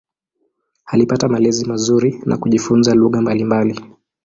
Alipata malezi mazuri na kujifunza lugha mbalimbali.